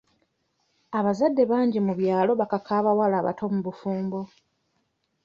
Abazadde bangi mu byalo bakaka abawala abato mu bufumbo.